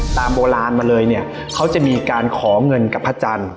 ตามโบราณมาเลยเนี่ยเขาจะมีการขอเงินกับพระจันทร์